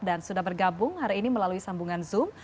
dan sudah bergabung hari ini melalui sambungan zoom